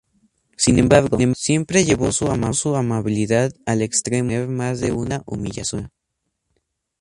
Sin embargo, siempre llevó su amabilidad al extremo de tener más de una humillación.